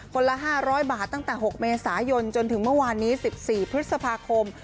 ละ๕๐๐บาทตั้งแต่๖เมษายนจนถึงเมื่อวานนี้๑๔พฤษภาคม